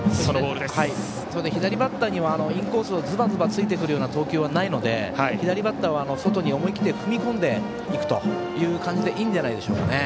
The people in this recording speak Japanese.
左バッターにはインコースをずばずば突いてくるような投球はないので左バッターは外に思い切って踏み込んでいくという感じでいいんじゃないでしょうかね。